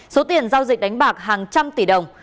số tiền giao dịch đánh bạc hàng trăm tỷ đồng